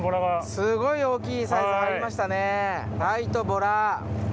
すごい大きいサイズありましたね。